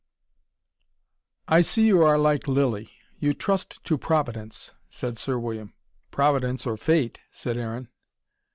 "I see you are like Lilly you trust to Providence," said Sir William. "Providence or fate," said Aaron.